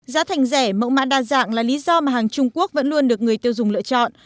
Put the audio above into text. giá thành rẻ mẫu mãn đa dạng là lý do mà hàng trung quốc vẫn luôn được người tiêu dùng lựa chọn